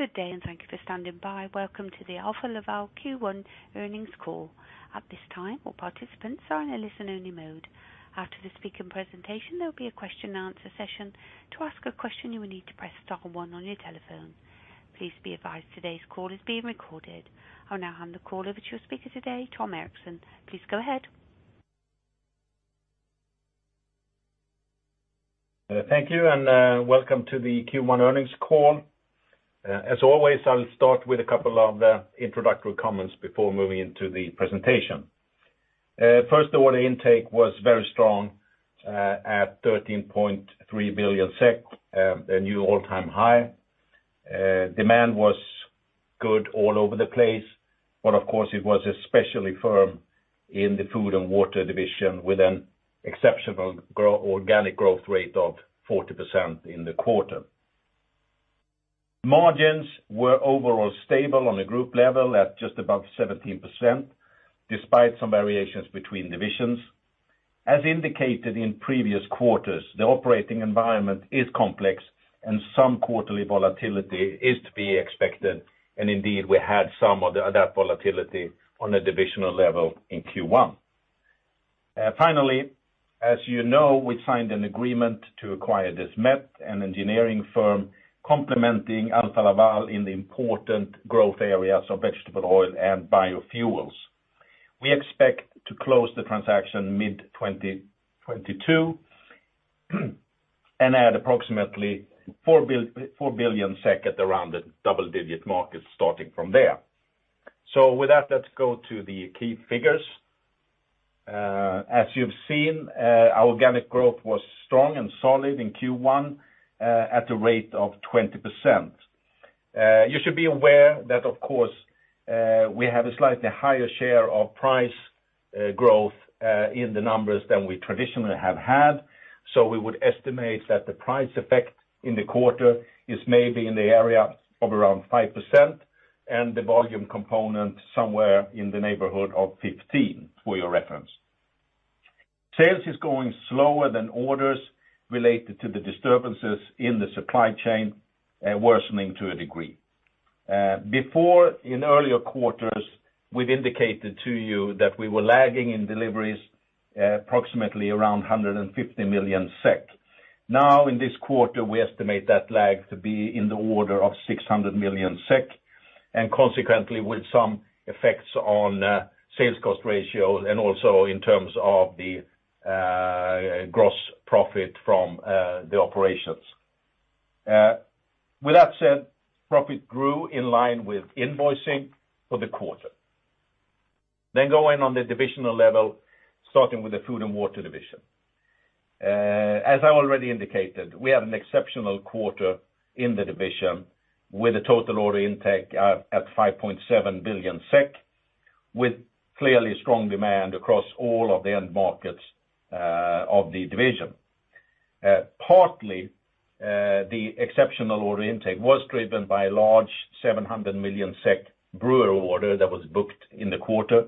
Good day, and thank you for standing by. Welcome to the Alfa Laval Q1 Earnings Call. At this time, all participants are in a listen-only mode. After the speaker presentation, there'll be a question and answer session. To ask a question, you will need to press star one on your telephone. Please be advised today's call is being recorded. I'll now hand the call over to your speaker today, Tom Erixon. Please go ahead. Thank you, and welcome to the Q1 earnings call. As always, I'll start with a couple of introductory comments before moving into the presentation. First, order intake was very strong at 13.3 billion SEK, a new all-time high. Demand was good all over the place, but of course, it was especially firm in the Food & Water Division with an exceptional organic growth rate of 40% in the quarter. Margins were overall stable on a group level at just above 17% despite some variations between divisions. As indicated in previous quarters, the operating environment is complex, and some quarterly volatility is to be expected. Indeed, we had some of that volatility on a divisional level in Q1. Finally, as you know, we signed an agreement to acquire Desmet, an engineering firm complementing Alfa Laval in the important growth areas of vegetable oil and biofuels. We expect to close the transaction mid-2022, and add approximately 4 billion at around the double-digit margins starting from there. With that, let's go to the key figures. As you've seen, our organic growth was strong and solid in Q1 at a rate of 20%. You should be aware that of course, we have a slightly higher share of price growth in the numbers than we traditionally have had. We would estimate that the price effect in the quarter is maybe in the area of around 5%, and the volume component somewhere in the neighborhood of 15%, for your reference. Sales is going slower than orders related to the disturbances in the supply chain, worsening to a degree. Before in earlier quarters, we've indicated to you that we were lagging in deliveries, approximately around 150 million SEK. Now, in this quarter, we estimate that lag to be in the order of 600 million SEK, and consequently with some effects on sales cost ratio and also in terms of the gross profit from the operations. With that said, profit grew in line with invoicing for the quarter. Going on the divisional level, starting with the Food & Water Division. As I already indicated, we have an exceptional quarter in the division with a total order intake at 5.7 billion SEK, with clearly strong demand across all of the end markets of the division. Partly, the exceptional order intake was driven by a large 700 million SEK brewer order that was booked in the quarter.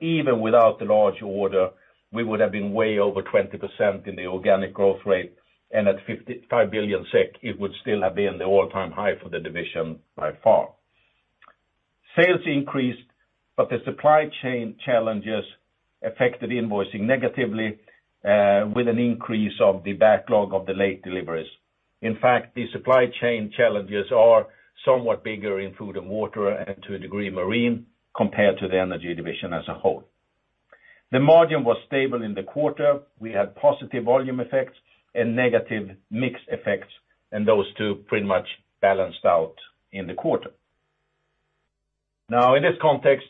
Even without the large order, we would have been way over 20% in the organic growth rate, and at 55 billion SEK, it would still have been the all-time high for the division by far. Sales increased, but the supply chain challenges affected invoicing negatively, with an increase of the backlog of the late deliveries. In fact, the supply chain challenges are somewhat bigger in Food & Water, and to a degree, Marine, compared to the Energy Division as a whole. The margin was stable in the quarter. We had positive volume effects and negative mix effects, and those two pretty much balanced out in the quarter. Now, in this context,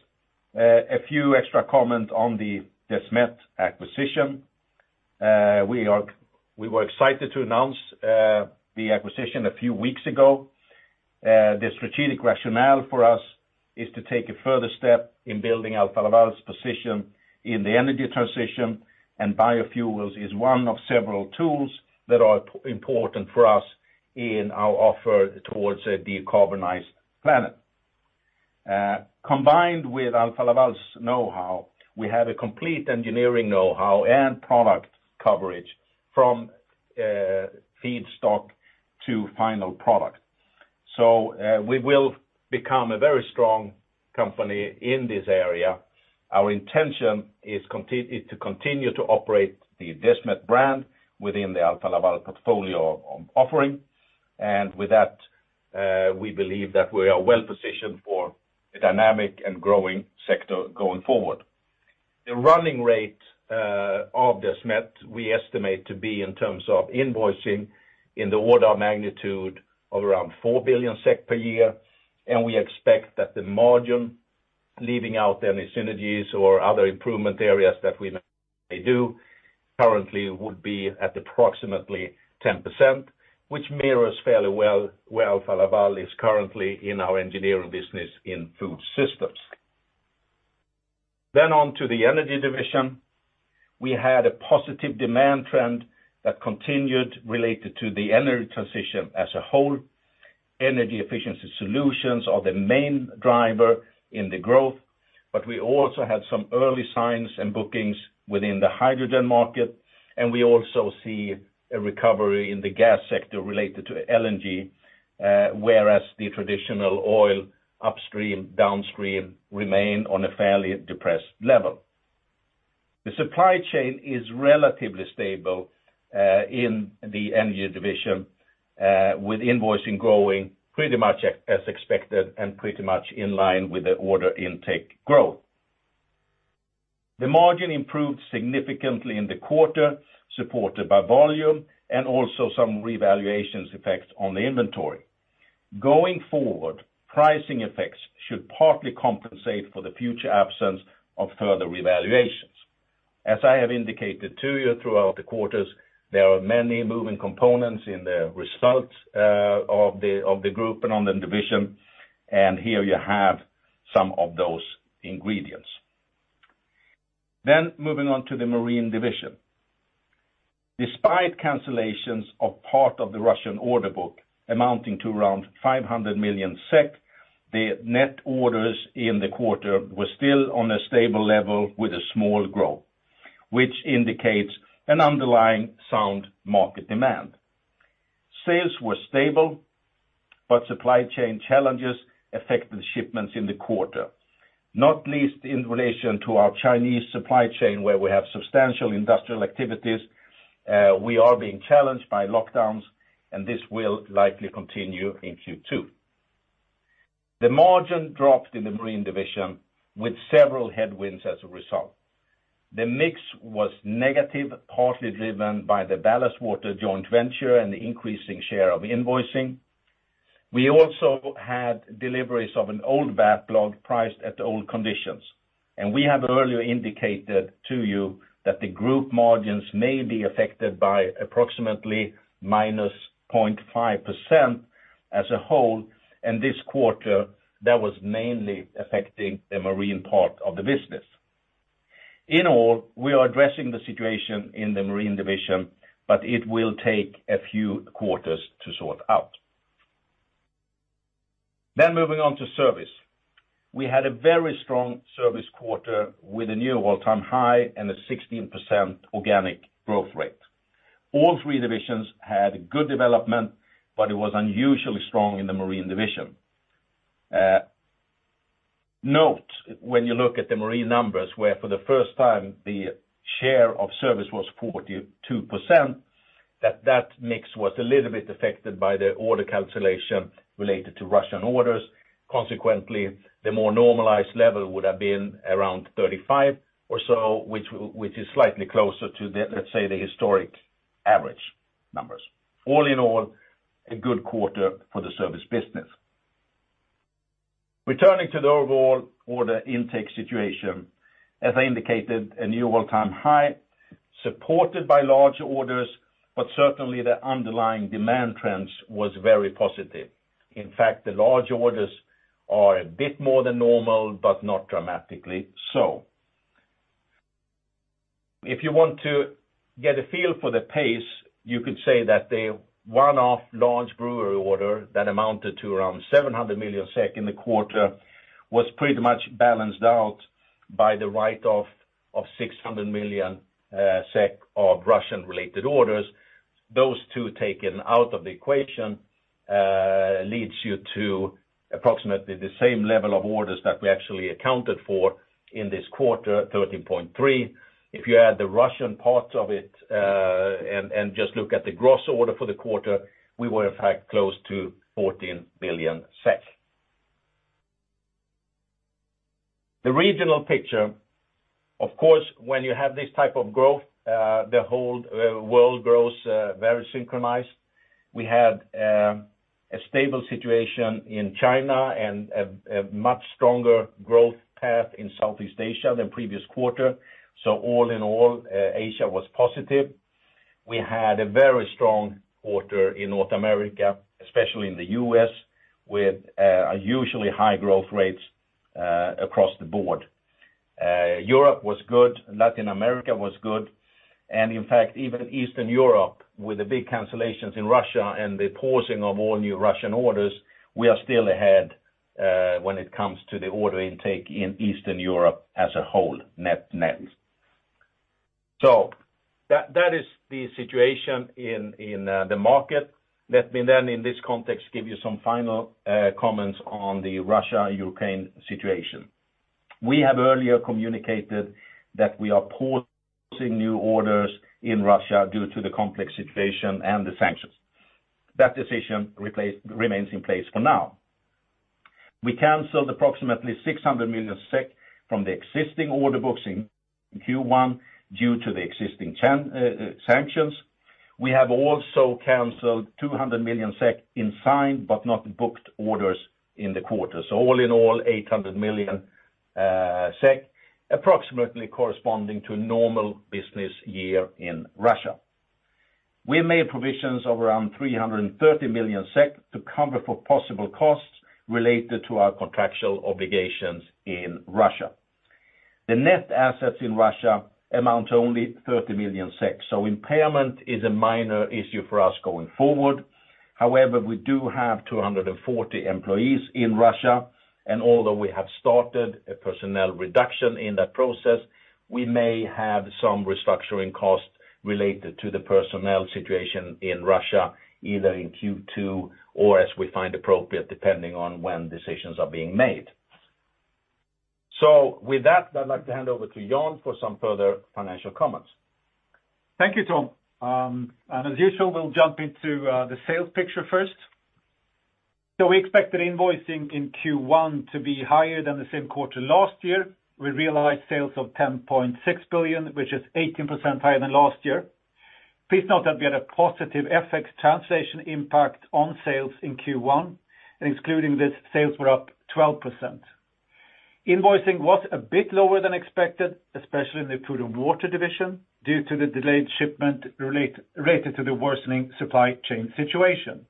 a few extra comments on the Desmet acquisition. We were excited to announce the acquisition a few weeks ago. The strategic rationale for us is to take a further step in building Alfa Laval's position in the energy transition, and biofuels is one of several tools that are important for us in our offer towards a decarbonized planet. Combined with Alfa Laval's know-how, we have a complete engineering know-how and product coverage from feedstock to final product. We will become a very strong company in this area. Our intention is to continue to operate the Desmet brand within the Alfa Laval portfolio of offering. With that, we believe that we are well-positioned for a dynamic and growing sector going forward. The running rate of Desmet, we estimate to be in terms of invoicing in the order of magnitude of around 4 billion SEK per year, and we expect that the margin, leaving out any synergies or other improvement areas that we may do, currently would be at approximately 10%, which mirrors fairly well where Alfa Laval is currently in our engineering business in food systems. On to the Energy Division. We had a positive demand trend that continued related to the energy transition as a whole. Energy efficiency solutions are the main driver in the growth. But we also had some early signs and bookings within the hydrogen market, and we also see a recovery in the gas sector related to LNG, whereas the traditional oil upstream, downstream remain on a fairly depressed level. The supply chain is relatively stable in the Energy Division with invoicing growing pretty much as expected and pretty much in line with the order intake growth. The margin improved significantly in the quarter, supported by volume and also some revaluations effects on the inventory. Going forward, pricing effects should partly compensate for the future absence of further revaluations. As I have indicated to you throughout the quarters, there are many moving components in the results of the group and on the division, and here you have some of those ingredients. Moving on to the Marine Division. Despite cancellations of part of the Russian order book amounting to around 500 million SEK, the net orders in the quarter were still on a stable level with a small growth, which indicates an underlying sound market demand. Sales were stable, but supply chain challenges affected the shipments in the quarter, not least in relation to our Chinese supply chain, where we have substantial industrial activities. We are being challenged by lockdowns, and this will likely continue in Q2. The margin dropped in the Marine Division with several headwinds as a result. The mix was negative, partly driven by the ballast water joint venture and the increasing share of invoicing. We also had deliveries of an old backlog priced at old conditions. We have earlier indicated to you that the group margins may be affected by approximately -0.5% as a whole, and this quarter, that was mainly affecting the Marine Division part of the business. In all, we are addressing the situation in the Marine Division, but it will take a few quarters to sort out. Moving on to service. We had a very strong service quarter with a new all-time high and a 16% organic growth rate. All three divisions had good development, but it was unusually strong in the Marine Division. Note when you look at the marine numbers, where for the first time, the share of service was 42%, that mix was a little bit affected by the order cancellation related to Russian orders. Consequently, the more normalized level would have been around 35% or so, which is slightly closer to the, let's say, the historic average numbers. All in all, a good quarter for the service business. Returning to the overall order intake situation, as I indicated, a new all-time high, supported by large orders, but certainly the underlying demand trends was very positive. In fact, the large orders are a bit more than normal, but not dramatically so. If you want to get a feel for the pace, you could say that the one-off large brewery order that amounted to around 700 million SEK in the quarter was pretty much balanced out by the write-off of 600 million SEK of Russian-related orders. Those two taken out of the equation leads you to approximately the same level of orders that we actually accounted for in this quarter, 13.3 Billion. If you add the Russian parts of it and just look at the gross order for the quarter, we were in fact close to 14 billion. The regional picture, of course, when you have this type of growth, the whole world grows very synchronized. We had a stable situation in China and a much stronger growth path in Southeast Asia than previous quarter. All in all, Asia was positive. We had a very strong quarter in North America, especially in the U.S., with unusually high growth rates across the board. Europe was good. Latin America was good. In fact, even Eastern Europe, with the big cancellations in Russia and the pausing of all new Russian orders, we are still ahead when it comes to the order intake in Eastern Europe as a whole, net. That is the situation in the market. Let me then, in this context, give you some final comments on the Russia-Ukraine situation. We have earlier communicated that we are pausing new orders in Russia due to the complex situation and the sanctions. That decision remains in place for now. We canceled approximately 600 million SEK from the existing order books in Q1 due to the existing sanctions. We have also canceled 200 million SEK in signed but not booked orders in the quarter. All in all, 800 million SEK, approximately corresponding to a normal business year in Russia. We made provisions of around 330 million SEK to cover for possible costs related to our contractual obligations in Russia. The net assets in Russia amount to only 30 million. Impairment is a minor issue for us going forward. However, we do have 240 employees in Russia, and although we have started a personnel reduction in that process, we may have some restructuring costs related to the personnel situation in Russia, either in Q2 or as we find appropriate, depending on when decisions are being made. With that, I'd like to hand over to Jan for some further financial comments. Thank you, Tom. As usual, we'll jump into the sales picture first. We expected invoicing in Q1 to be higher than the same quarter last year. We realized sales of 10.6 billion, which is 18% higher than last year. Please note that we had a positive FX translation impact on sales in Q1, and excluding this, sales were up 12%. Invoicing was a bit lower than expected, especially in the Food & Water Division, due to the delayed shipment related to the worsening supply chain situation.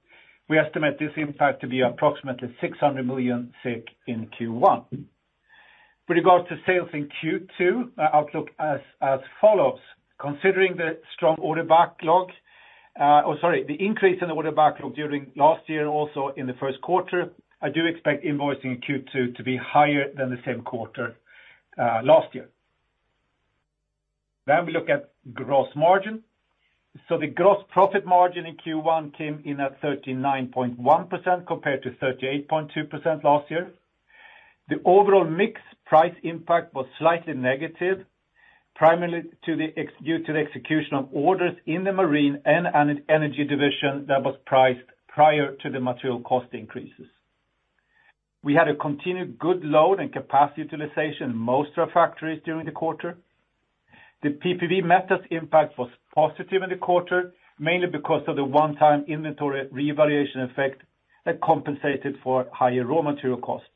We estimate this impact to be approximately 600 million in Q1. With regards to sales in Q2, our outlook as follows: considering the strong order backlog, the increase in the order backlog during last year, also in the first quarter, I do expect invoicing in Q2 to be higher than the same quarter last year. We look at gross margin. The gross profit margin in Q1 came in at 39.1% compared to 38.2% last year. The overall mix price impact was slightly negative, primarily due to the execution of orders in the Marine Division and Energy Division that was priced prior to the material cost increases. We had a continued good load and capacity utilization in most of our factories during the quarter. The PPV metals impact was positive in the quarter, mainly because of the one-time inventory revaluation effect that compensated for higher raw material costs.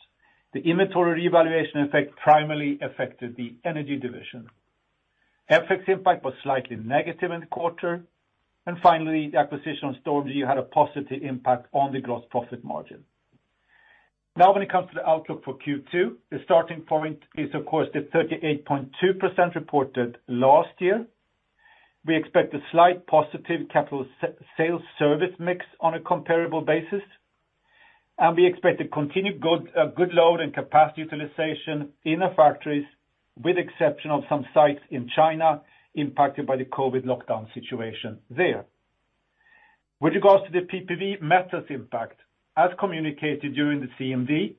The inventory revaluation effect primarily affected the Energy Division. FX impact was slightly negative in the quarter. Finally, the acquisition of StormGeo had a positive impact on the gross profit margin. Now when it comes to the outlook for Q2, the starting point is, of course, the 38.2% reported last year. We expect a slight positive sales service mix on a comparable basis, and we expect a continued good load and capacity utilization in our factories, with exception of some sites in China impacted by the COVID lockdown situation there. With regards to the PPV metals impact, as communicated during the CMD,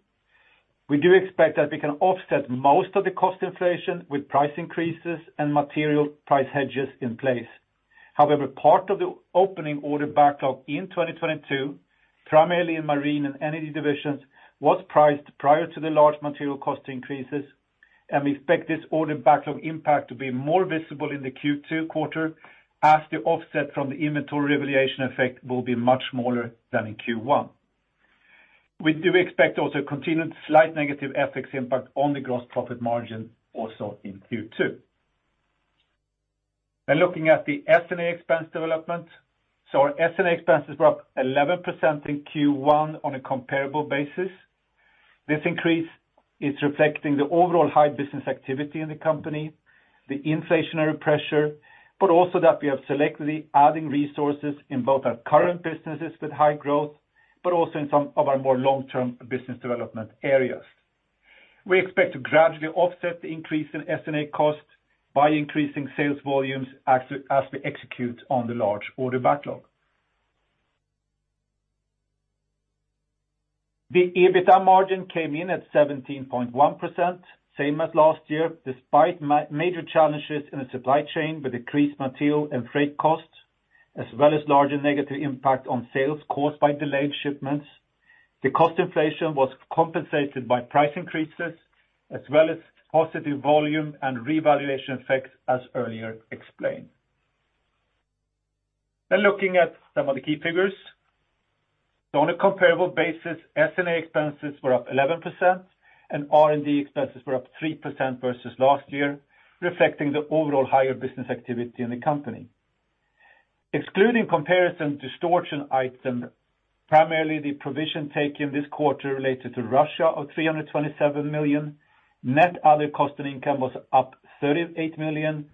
we do expect that we can offset most of the cost inflation with price increases and material price hedges in place. However, part of the opening order backlog in 2022, primarily in Marine Division and Energy Division, was priced prior to the large material cost increases, and we expect this order backlog impact to be more visible in the Q2 quarter as the offset from the inventory revaluation effect will be much smaller than in Q1. We do expect also a continued slight negative FX impact on the gross profit margin also in Q2. Now looking at the S&A expense development. Our S&A expenses were up 11% in Q1 on a comparable basis. This increase is reflecting the overall high business activity in the company, the inflationary pressure, but also that we are selectively adding resources in both our current businesses with high growth, but also in some of our more long-term business development areas. We expect to gradually offset the increase in S&A costs by increasing sales volumes as we execute on the large order backlog. The EBITDA margin came in at 17.1%, same as last year, despite major challenges in the supply chain with increased material and freight costs, as well as larger negative impact on sales caused by delayed shipments. The cost inflation was compensated by price increases as well as positive volume and revaluation effects, as earlier explained. Looking at some of the key figures. On a comparable basis, S&A expenses were up 11% and R&D expenses were up 3% versus last year, reflecting the overall higher business activity in the company. Excluding comparison distortion item, primarily the provision taken this quarter related to Russia of 327 million, net other cost and income was up 38 million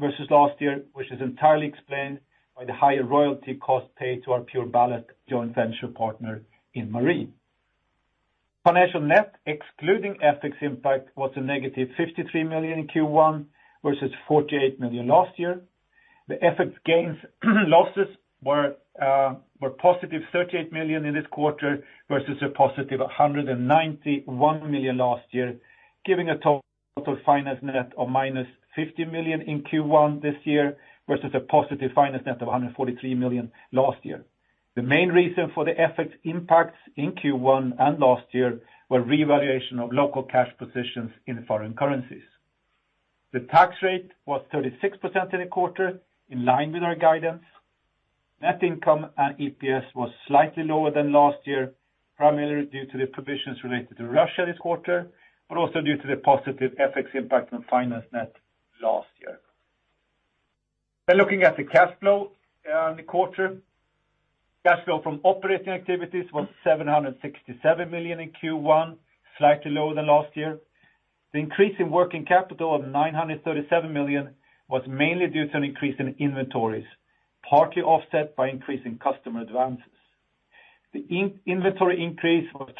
versus last year, which is entirely explained by the higher royalty costs paid to our PureBallast joint venture partner in Marine. Financial net, excluding FX impact, was a negative 53 million in Q1 versus 48 million last year. The FX gains, losses were positive 38 million in this quarter versus a positive 191 million last year, giving a total finance net of minus 50 million in Q1 this year versus a positive finance net of 143 million last year. The main reason for the FX impacts in Q1 and last year were revaluation of local cash positions in foreign currencies. The tax rate was 36% in the quarter, in line with our guidance. Net income and EPS was slightly lower than last year, primarily due to the provisions related to Russia this quarter, but also due to the positive FX impact on finance net last year. Looking at the cash flow in the quarter, cash flow from operating activities was 767 million in Q1, slightly lower than last year. The increase in working capital of 937 million was mainly due to an increase in inventories, partly offset by increase in customer advances. The inventory increase was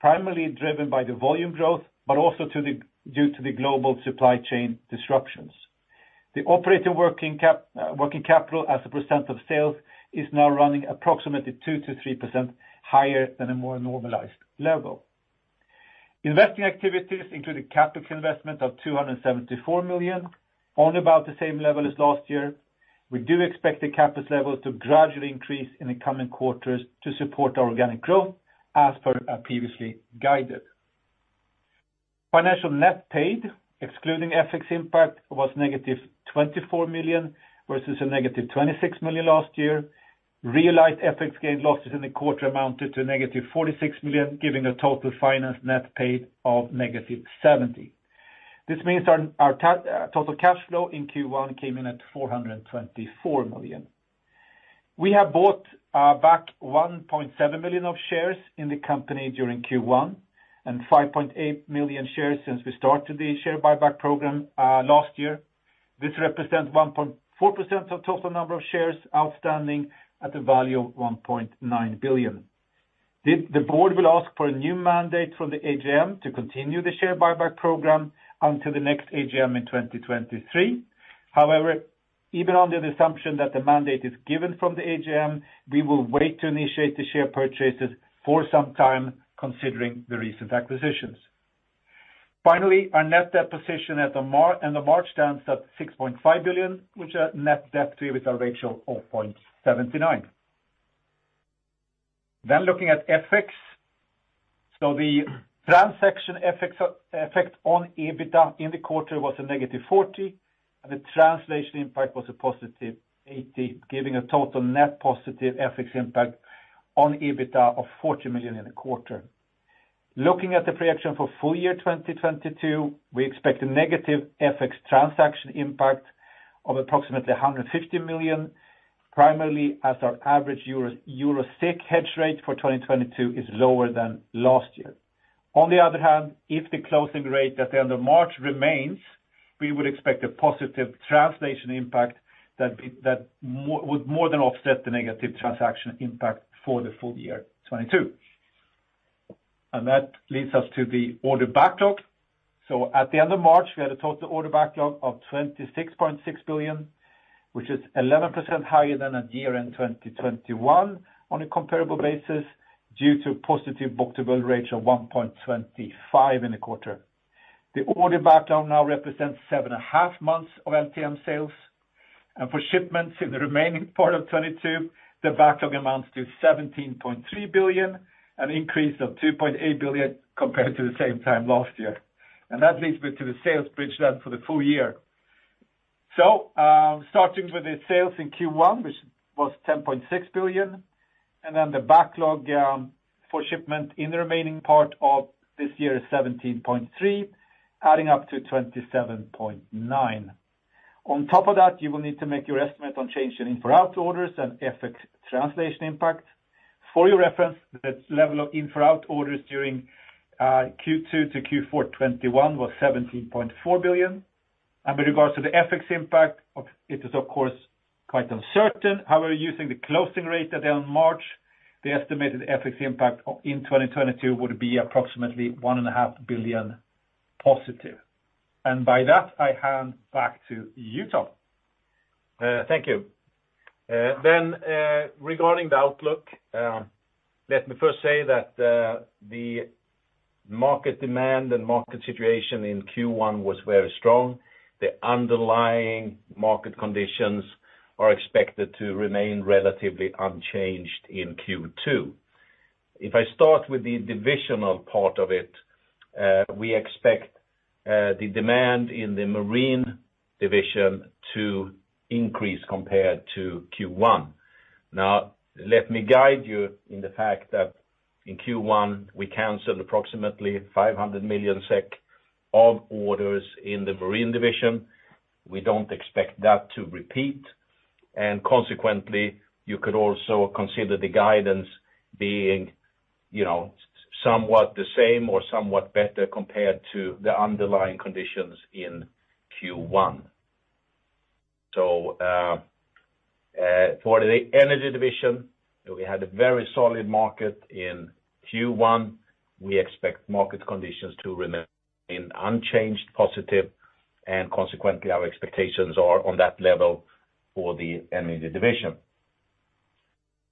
primarily driven by the volume growth, but also due to the global supply chain disruptions. The operating working capital as a percent of sales is now running approximately 2%-3% higher than a more normalized level. Investing activities include a capital investment of 274 million, on about the same level as last year. We do expect the CapEx levels to gradually increase in the coming quarters to support our organic growth as per our previous guidance. Financial net, excluding FX impact, was -24 million, versus -26 million last year. Realized FX gain losses in the quarter amounted to -46 million, giving a total financial net of -70 million. This means our total cash flow in Q1 came in at 424 million. We have bought back 1.7 million shares in the company during Q1, and 5.8 million shares since we started the share buyback program last year. This represents 1.4% of total number of shares outstanding at the value of 1.9 billion. The board will ask for a new mandate from the AGM to continue the share buyback program until the next AGM in 2023. However, even under the assumption that the mandate is given from the AGM, we will wait to initiate the share purchases for some time considering the recent acquisitions. Finally, our net debt position at the end of March stands at 6.5 billion, with a net debt to EBITDA ratio of 0.79. Looking at FX. The transaction FX effect on EBITDA in the quarter was a -40, and the translation impact was a positive +80, giving a total net positive FX impact on EBITDA of 40 million in the quarter. Looking at the projection for full year 2022, we expect a negative FX transaction impact of approximately 150 million, primarily as our average EUR/SEK hedge rate for 2022 is lower than last year. On the other hand, if the closing rate at the end of March remains, we would expect a positive translation impact that would more than offset the negative transaction impact for the full year 2022. That leads us to the order backlog. At the end of March, we had a total order backlog of 26.6 billion, which is 11% higher than at year-end 2021 on a comparable basis due to a positive book-to-bill ratio of 1.25 in the quarter. The order backlog now represents seven and a half months of LTM sales. For shipments in the remaining part of 2022, the backlog amounts to 17.3 billion, an increase of 2.8 billion compared to the same time last year. That leads me to the sales bridge then for the full year. Starting with the sales in Q1, which was 10.6 billion, and then the backlog for shipment in the remaining part of this year is 17.3 billion, adding up to 27.9 billion. On top of that, you will need to make your estimate on change in in-for-out orders and FX translation impact. For your reference, the level of in-for-out orders during Q2 to Q4 2021 was 17.4 billion. With regards to the FX impact, it is of course quite uncertain. However, using the closing rate at the end of March, the estimated FX impact in 2022 would be approximately 1.5 billion positive. By that, I hand back to you, Tom. Thank you. Regarding the outlook, let me first say that the market demand and market situation in Q1 was very strong. The underlying market conditions are expected to remain relatively unchanged in Q2. If I start with the divisional part of it, we expect the demand in the Marine Division to increase compared to Q1. Now, let me guide you on the fact that in Q1, we canceled approximately 500 million SEK of orders in the Marine Division. We don't expect that to repeat. Consequently, you could also consider the guidance being, you know, somewhat the same or somewhat better compared to the underlying conditions in Q1. For the Energy Division, we had a very solid market in Q1. We expect market conditions to remain unchanged, positive, and consequently, our expectations are on that level for the Energy Division.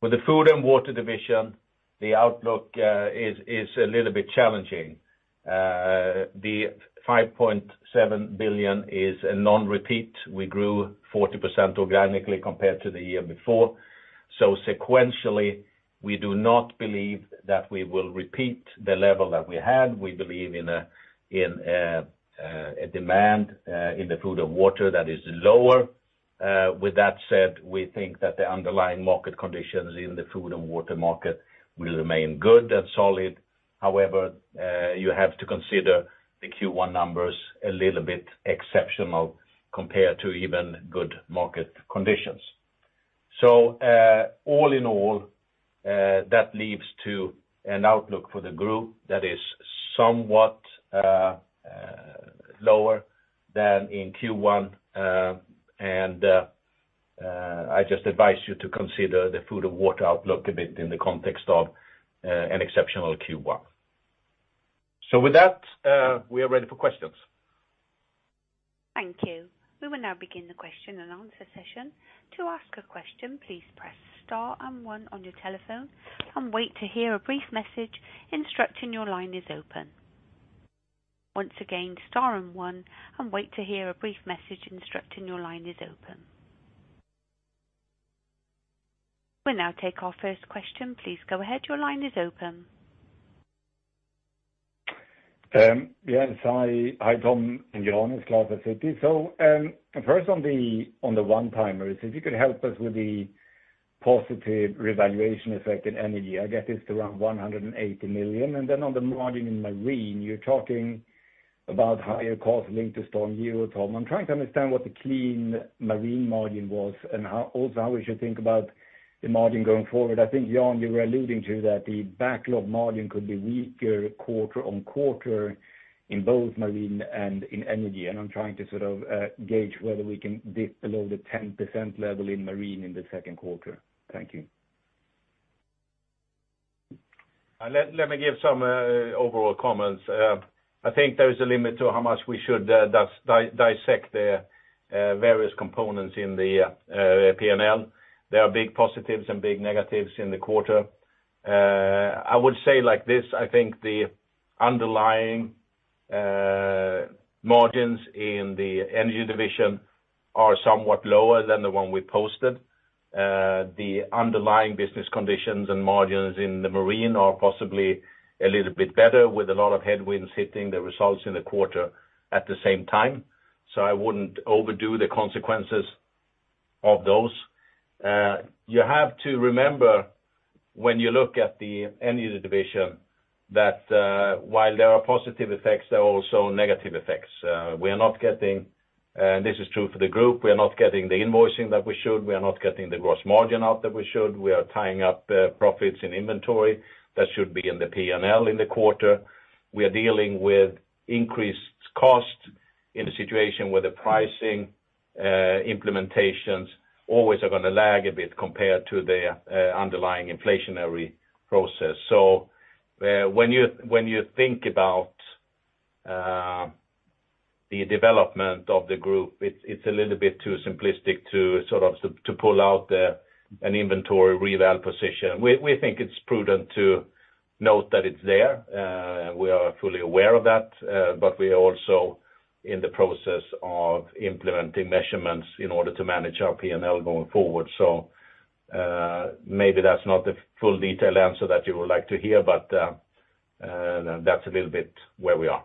For the Food & Water Division, the outlook is a little bit challenging. The 5.7 billion is a non-repeat. We grew 40% organically compared to the year before. Sequentially, we do not believe that we will repeat the level that we had. We believe in a demand in the food and water that is lower. With that said, we think that the underlying market conditions in the food and water market will remain good and solid. However, you have to consider the Q1 numbers a little bit exceptional compared to even good market conditions. All in all, that leaves to an outlook for the group that is somewhat lower than in Q1. I just advise you to consider the Food & Water outlook a bit in the context of an exceptional Q1. With that, we are ready for questions. Thank you. We will now begin the question and answer session. To ask a question, please press star and one on your telephone and wait to hear a brief message instructing your line is open. Once again, star and one, and wait to hear a brief message instructing your line is open. We'll now take our first question. Please go ahead. Your line is open. Yes. Hi, Tom and Jan. It's Klas from Citi. First on the one-timers, if you could help us with the positive revaluation effect in Energy, I guess it's around 180 million. Then on the margin in Marine, you're talking about higher costs linked to StormGeo. Tom, I'm trying to understand what the clean Marine margin was and how also how we should think about the margin going forward. I think, Jan, you were alluding to that the backlog margin could be weaker quarter-on-quarter in both Marine and in Energy. I'm trying to sort of gauge whether we can dip below the 10% level in Marine in the second quarter. Thank you. Let me give some overall comments. I think there's a limit to how much we should dissect the various components in the P&L. There are big positives and big negatives in the quarter. I would say like this, I think the underlying margins in the Energy Division are somewhat lower than the one we posted. The underlying business conditions and margins in the Marine Division are possibly a little bit better, with a lot of headwinds hitting the results in the quarter at the same time. I wouldn't overdo the consequences of those. You have to remember, when you look at the Energy Division, that while there are positive effects, there are also negative effects. This is true for the group, we are not getting the invoicing that we should. We are not getting the gross margin out that we should. We are tying up profits in inventory that should be in the P&L in the quarter. We are dealing with increased costs in a situation where the pricing implementations always are gonna lag a bit compared to the underlying inflationary process. When you think about the development of the group, it's a little bit too simplistic to pull out an inventory reval position. We think it's prudent to note that it's there. We are fully aware of that, but we are also in the process of implementing measurements in order to manage our P&L going forward. Maybe that's not the full detailed answer that you would like to hear, but that's a little bit where we are.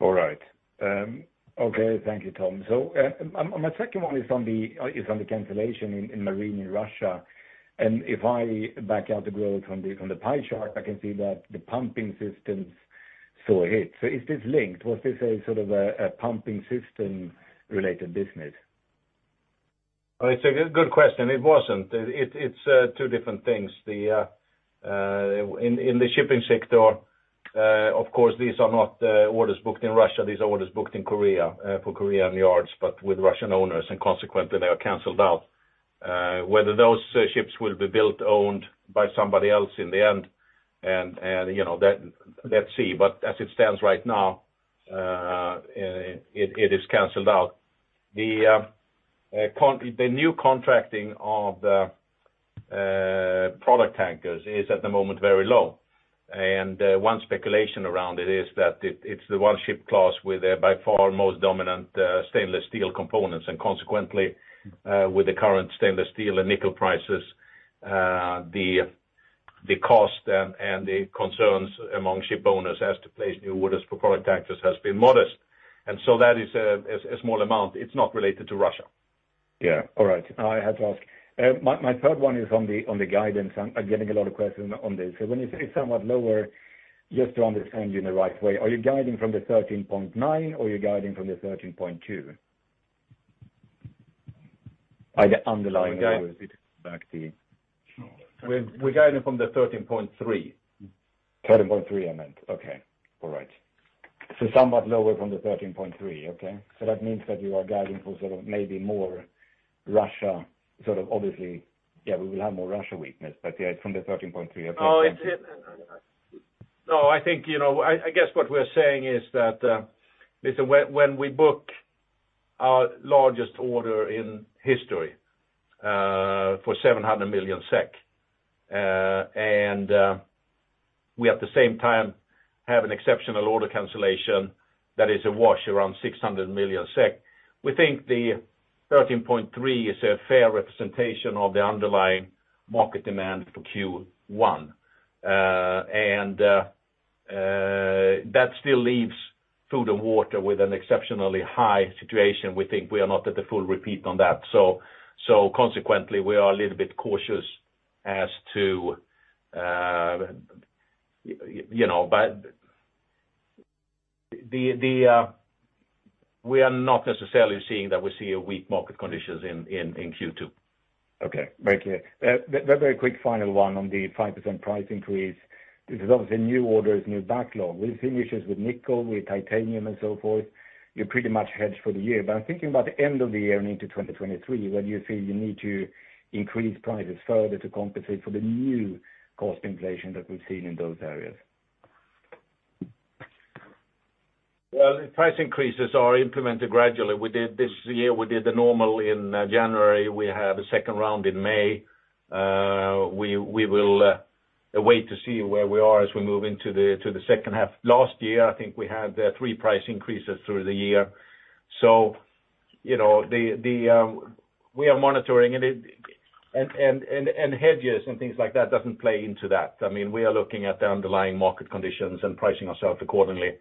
All right. Okay. Thank you, Tom. My second one is on the cancellation in Marine in Russia. If I back out the growth on the pie chart, I can see that the Pumping Systems saw a hit. Is this linked? Was this a sort of a Pumping Systems related business? It's a good question. It wasn't. It's two different things. In the shipping sector, of course, these are not orders booked in Russia. These are orders booked in Korea, for Korean yards, but with Russian owners, and consequently, they are canceled out. Whether those ships will be built, owned by somebody else in the end. As it stands right now, it is canceled out. The new contracting of the product tankers is at the moment very low. One speculation around it is that it's the one ship class with by far most dominant stainless steel components. Consequently, with the current stainless steel and nickel prices, the cost and the concerns among ship owners as to place new orders for product tankers has been modest. That is a small amount. It's not related to Russia. Yeah. All right. I had to ask. My third one is on the guidance. I'm getting a lot of questions on this. So when you say somewhat lower, just to understand you in the right way, are you guiding from the 13.9 billion, or you're guiding from the 13.2 billion? Are the underlying numbers back to you? We're guiding from the 13.3 billion. 13.3 billion, I meant. Okay. All right. Somewhat lower from the 13.3 billion. Okay. That means that you are guiding for sort of maybe more Russia, sort of obviously, yeah, we will have more Russia weakness, but, yeah, from the 13.3 billion. No, I think, you know. I guess what we're saying is that when we book our largest order in history for SEK 700 million and we at the same time have an exceptional order cancellation that is a wash around 600 million SEK, we think the 13.3 billion is a fair representation of the underlying market demand for Q1. And that still leaves Food & Water with an exceptionally high situation. We think we are not at the full repeat on that. Consequently, we are a little bit cautious as to you know, but we are not necessarily seeing weak market conditions in Q2. Okay, very clear. A very quick final one on the 5% price increase. This is obviously new orders, new backlog. With finishes, with nickel, with titanium and so forth, you're pretty much hedged for the year. I'm thinking about the end of the year and into 2023, when you think you need to increase prices further to compensate for the new cost inflation that we've seen in those areas? Well, price increases are implemented gradually. We did this year, we did the normal in January. We have a second round in May. We will wait to see where we are as we move into the second half. Last year, I think we had three price increases through the year. You know, we are monitoring it. Hedges and things like that doesn't play into that. I mean, we are looking at the underlying market conditions and pricing ourselves accordingly.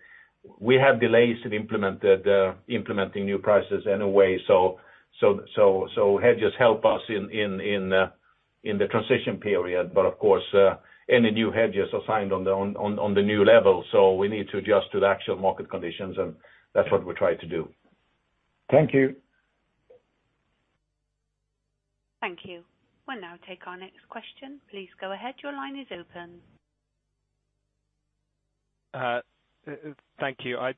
We have delays in implementing new prices anyway, so hedges help us in the transition period. But of course, any new hedges are signed on the new level. We need to adjust to the actual market conditions, and that's what we try to do. Thank you. Thank you. We'll now take our next question. Please go ahead. Your line is open. Thank you. I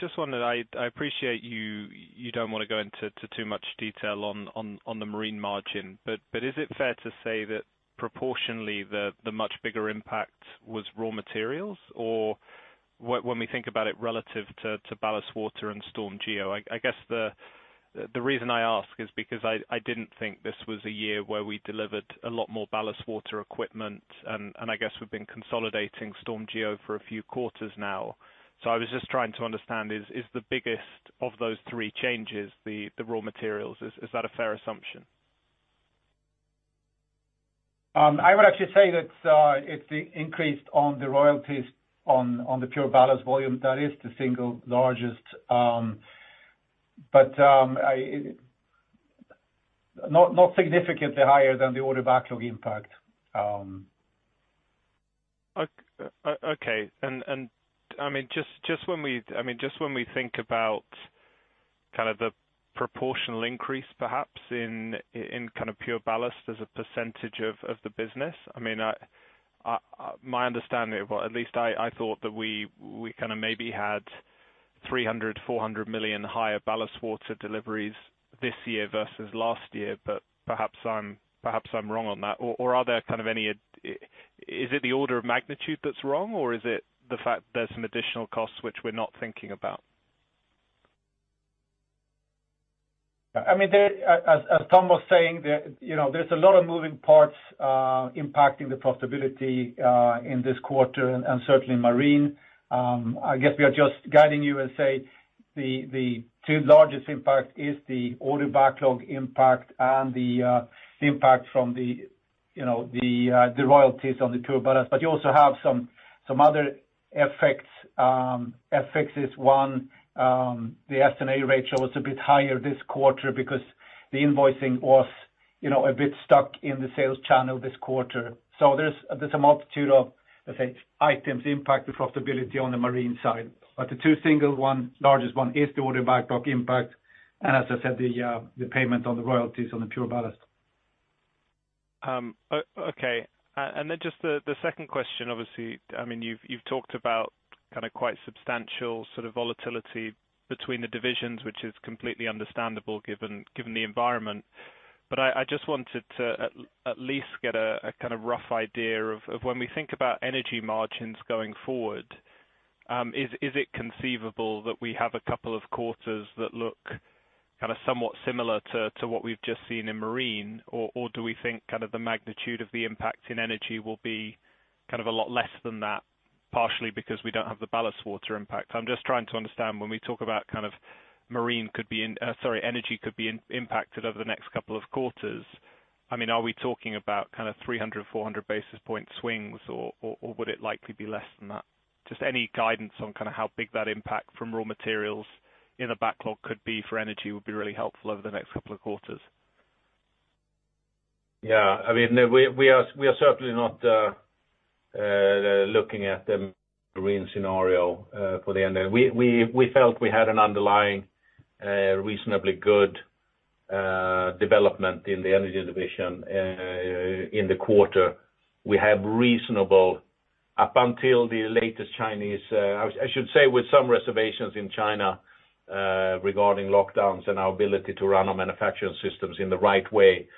just wondered. I appreciate you don't want to go into too much detail on the Marine margin. Is it fair to say that proportionally the much bigger impact was raw materials? Or when we think about it relative to ballast water and StormGeo, I guess the reason I ask is because I didn't think this was a year where we delivered a lot more ballast water equipment, and I guess we've been consolidating StormGeo for a few quarters now. I was just trying to understand, is the biggest of those three changes the raw materials? Is that a fair assumption? I would actually say that it's increased on the royalties on the PureBallast volume, that is the single largest. Not significantly higher than the order backlog impact. Okay. I mean, just when we think about kind of the proportional increase perhaps in kind of PureBallast as a percentage of the business, I mean, my understanding, well, at least I thought that we kinda maybe had 300 million-400 million higher ballast water deliveries this year versus last year, but perhaps I'm wrong on that. Is it the order of magnitude that's wrong, or is it the fact there's some additional costs which we're not thinking about? I mean, as Tom was saying, you know, there's a lot of moving parts impacting the profitability in this quarter and certainly Marine. I guess we are just guiding you and say the two largest impact is the order backlog impact and the impact from, you know, the royalties on the PureBallast. You also have some other effects, FX is one. The S&A ratio was a bit higher this quarter because the invoicing was, you know, a bit stuck in the sales channel this quarter. There's a multitude of, let's say, items impact the profitability on the Marine side. The two single one, largest one is the order backlog impact. As I said, the payment on the royalties on the PureBallast. Okay. Just the second question, obviously, I mean, you've talked about kinda quite substantial sort of volatility between the divisions, which is completely understandable given the environment. I just wanted to at least get a kind of rough idea of when we think about Energy margins going forward, is it conceivable that we have a couple of quarters that look kinda somewhat similar to what we've just seen in Marine? Or do we think kind of the magnitude of the impact in Energy will be kind of a lot less than that, partially because we don't have the ballast water impact? I'm just trying to understand when we talk about kind of Energy could be impacted over the next couple of quarters. I mean, are we talking about kinda 300-400 basis point swings, or would it likely be less than that? Just any guidance on kinda how big that impact from raw materials in the backlog could be for energy would be really helpful over the next couple of quarters. Yeah. I mean, we are certainly not looking at the Marine scenario for the end there. We felt we had an underlying reasonably good development in the Energy Division in the quarter. We have reasonable up until the latest Chinese, I should say with some reservations in China regarding lockdowns and our ability to run our manufacturing systems in the right way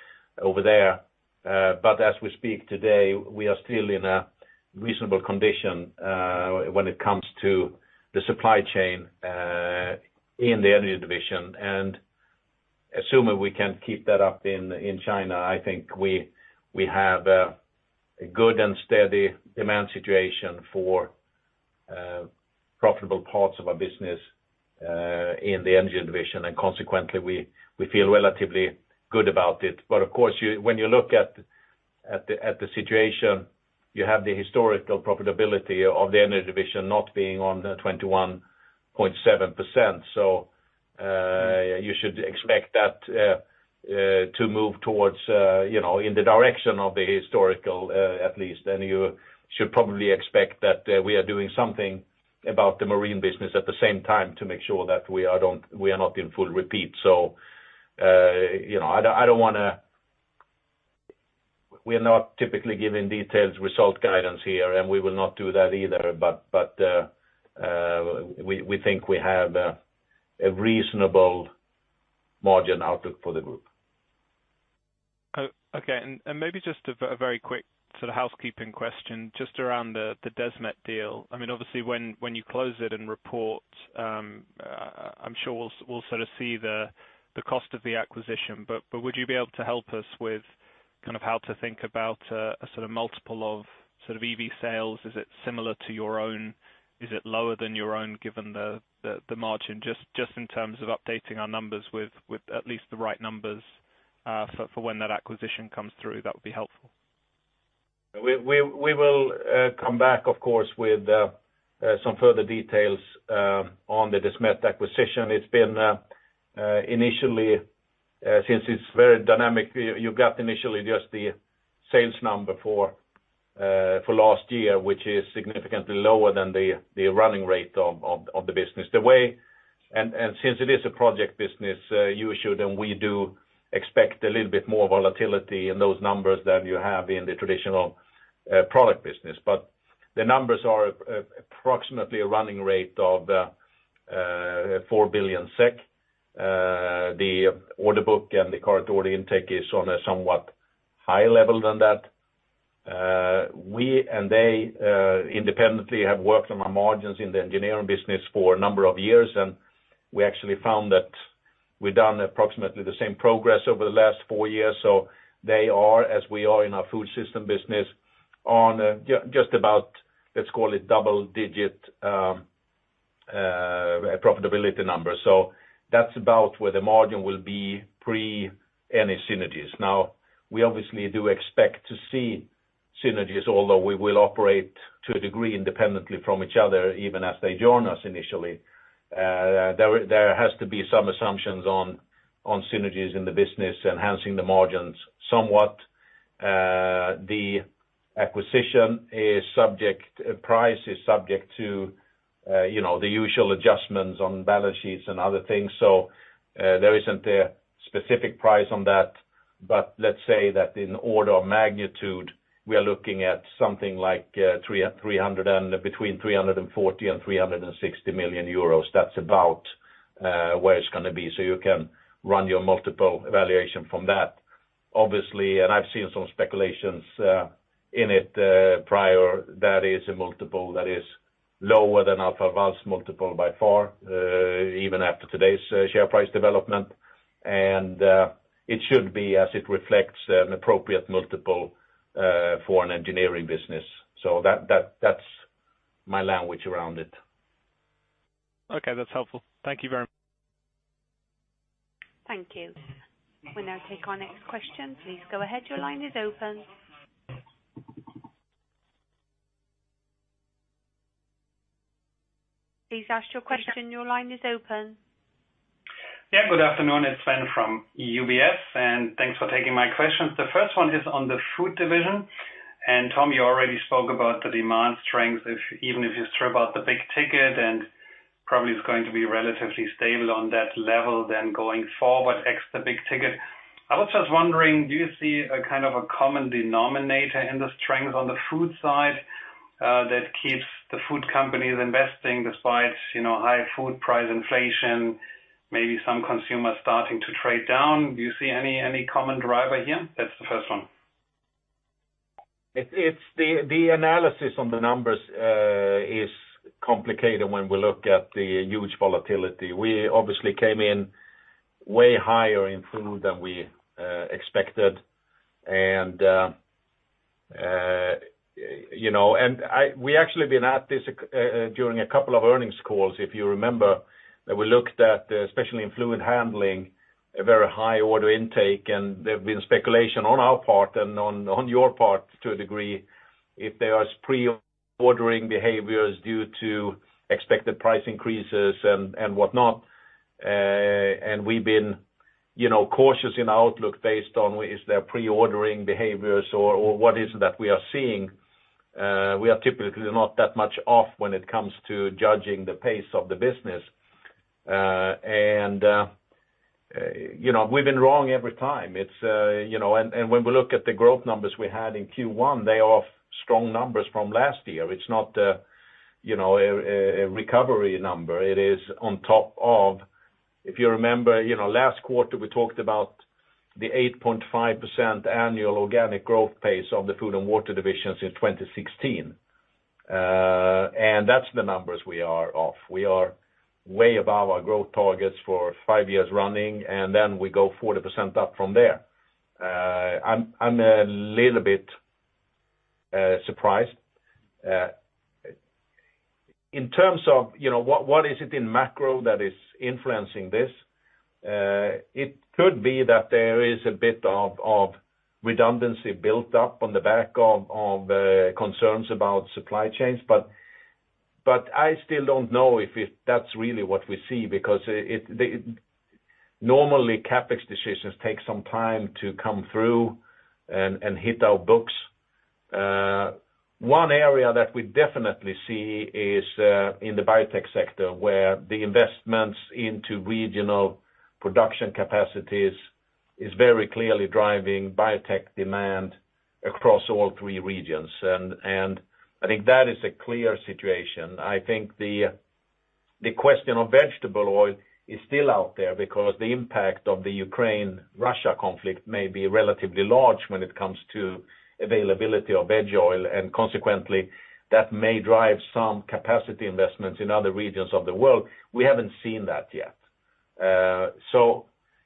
over there. As we speak today, we are still in a reasonable condition when it comes to the supply chain in the Energy Division. Assuming we can keep that up in China, I think we have a good and steady demand situation for profitable parts of our business in the Energy Division, and consequently, we feel relatively good about it. Of course, when you look at the situation, you have the historical profitability of the Energy Division not being on the 21.7%. You should expect that to move towards, you know, in the direction of the historical, at least. You should probably expect that we are doing something about the marine business at the same time to make sure that we are not in full retreat. You know, I don't wanna. We are not typically giving detailed result guidance here, and we will not do that either. We think we have a reasonable margin outlook for the group. Okay. Maybe just a very quick sort of housekeeping question, just around the Desmet deal. I mean, obviously when you close it and report, I'm sure we'll sort of see the cost of the acquisition. Would you be able to help us with kind of how to think about a sort of multiple of sort of EV sales? Is it similar to your own? Is it lower than your own given the margin? Just in terms of updating our numbers with at least the right numbers for when that acquisition comes through, that would be helpful. We will come back, of course, with some further details on the Desmet acquisition. It's been initially since it's very dynamic, you got initially just the sales number for last year, which is significantly lower than the running rate of the business. Since it is a project business, you should and we do expect a little bit more volatility in those numbers than you have in the traditional product business. The numbers are approximately a running rate of 4 billion SEK. The order book and the current order intake is on a somewhat higher level than that. We and they independently have worked on our margins in the engineering business for a number of years, and we actually found that we've done approximately the same progress over the last four years. They are, as we are in our food system business, on just about, let's call it double-digit profitability numbers. That's about where the margin will be pre any synergies. Now, we obviously do expect to see synergies, although we will operate to a degree independently from each other, even as they join us initially. There has to be some assumptions on synergies in the business enhancing the margins somewhat. The acquisition price is subject to you know, the usual adjustments on balance sheets and other things. There isn't a specific price on that. Let's say that in order of magnitude, we are looking at something like between 340 million and 360 million euros. That's about where it's gonna be, so you can run your multiple evaluation from that. Obviously, I've seen some speculations in it prior. That is a multiple that is lower than Alfa Laval's multiple by far, even after today's share price development. It should be as it reflects an appropriate multiple for an engineering business. That's my language around it. Okay, that's helpful. Thank you very. Thank you. We'll now take our next question. Please go ahead. Your line is open. Please ask your question. Your line is open. Yeah, good afternoon. It's Sven from UBS, and thanks for taking my questions. The first one is on the food division. Tom, you already spoke about the demand strength, even if you strip out the big ticket and probably it's going to be relatively stable on that level than going forward ex the big ticket. I was just wondering, do you see a kind of a common denominator in the strength on the food side, that keeps the food companies investing despite, you know, high food price inflation, maybe some consumers starting to trade down? Do you see any common driver here? That's the first one. It's the analysis on the numbers is complicated when we look at the huge volatility. We obviously came in way higher in food than we expected. You know, we actually been at this during a couple of earnings calls, if you remember, that we looked at, especially in fluid handling, a very high order intake, and there's been speculation on our part and on your part to a degree, if there are pre-ordering behaviors due to expected price increases and whatnot. We've been, you know, cautious in our outlook based on is there pre-ordering behaviors or what is it that we are seeing. We are typically not that much off when it comes to judging the pace of the business. You know, we've been wrong every time. It's when we look at the growth numbers we had in Q1, they are strong numbers from last year. It's not a recovery number. It is on top of. If you remember, last quarter, we talked about the 8.5% annual organic growth pace of the food and water divisions in 2016. That's the numbers we are off. We are way above our growth targets for five years running, and then we go 40% up from there. I'm a little bit surprised. In terms of, what is it in macro that is influencing this? It could be that there is a bit of redundancy built up on the back of concerns about supply chains. I still don't know if that's really what we see because normally CapEx decisions take some time to come through and hit our books. One area that we definitely see is in the biotech sector, where the investments into regional production capacities is very clearly driving biotech demand across all three regions. I think that is a clear situation. I think the question of vegetable oil is still out there because the impact of the Ukraine-Russia conflict may be relatively large when it comes to availability of veg oil, and consequently, that may drive some capacity investments in other regions of the world. We haven't seen that yet.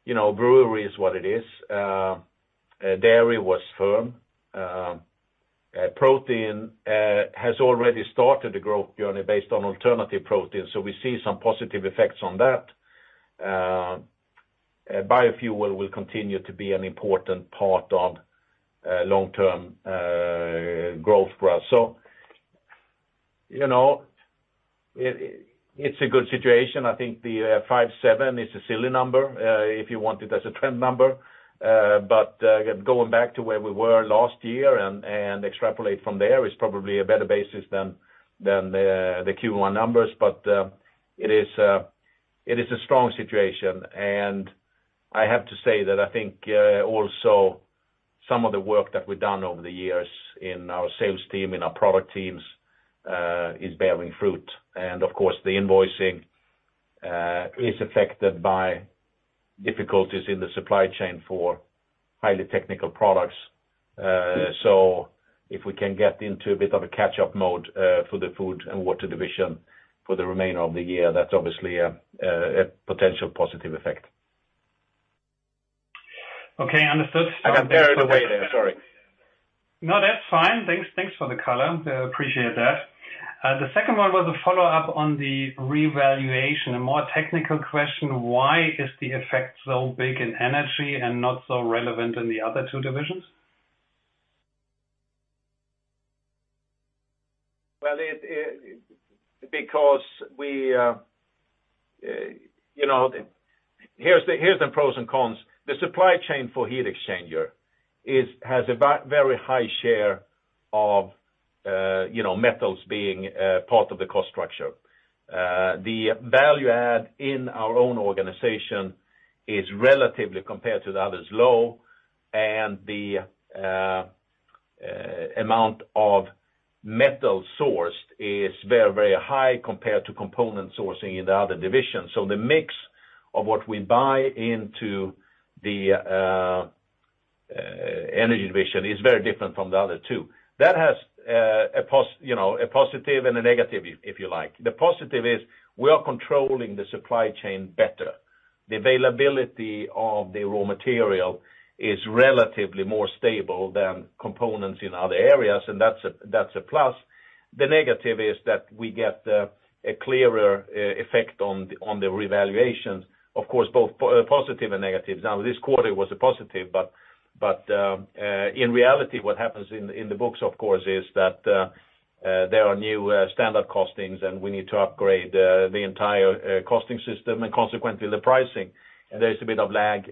You know, brewery is what it is. Dairy was firm. Protein has already started a growth journey based on alternative proteins, so we see some positive effects on that. Biofuel will continue to be an important part of long-term growth for us. You know, it's a good situation. I think the five seven is a silly number if you want it as a trend number. Going back to where we were last year and extrapolate from there is probably a better basis than the Q1 numbers. It is a strong situation. I have to say that I think also some of the work that we've done over the years in our sales team, in our product teams, is bearing fruit. Of course, the invoicing is affected by difficulties in the supply chain for highly technical products. If we can get into a bit of a catch-up mode for the Food & Water Division for the remainder of the year, that's obviously a potential positive effect. Okay, understood. I got carried away there. Sorry. No, that's fine. Thanks for the color. Appreciate that. The second one was a follow-up on the revaluation, a more technical question. Why is the effect so big in Energy and not so relevant in the other two divisions? Well, here's the pros and cons. The supply chain for heat exchanger has a very high share of metals being part of the cost structure. The value add in our own organization is relatively, compared to the others, low, and the amount of metal sourced is very high compared to component sourcing in the other divisions. The mix of what we buy into the Energy Division is very different from the other two. That has a positive and a negative, if you like. The positive is we are controlling the supply chain better. The availability of the raw material is relatively more stable than components in other areas, and that's a plus. The negative is that we get a clearer effect on the revaluations, of course, both positive and negative. Now, this quarter was a positive, but in reality, what happens in the books, of course, is that there are new standard costings, and we need to upgrade the entire costing system and consequently the pricing. There is a bit of lag